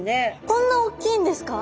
こんなおっきいんですか？